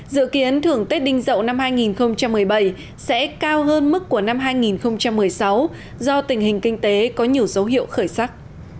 dự kiến thưởng tết đinh dậu năm hai nghìn một mươi bảy sẽ cao hơn mức của năm hai nghìn một mươi sáu do tình hình kinh tế có nhiều dấu hiệu khởi sắc